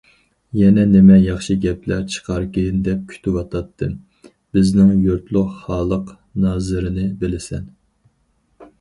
يەنە نېمە ياخشى گەپلەر چىقاركىن دەپ كۈتۈۋاتاتتىم.— بىزنىڭ يۇرتلۇق خالىق نازىرنى بىلىسەن.